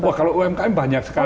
wah kalau umkm banyak sekali